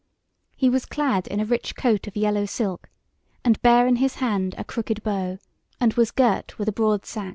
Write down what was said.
He was clad in a rich coat of yellow silk, and bare in his hand a crooked bow, and was girt with a broad sax.